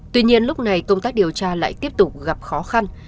tuy nhiên lúc này công tác điều tra lại tiếp tục gặp khó khăn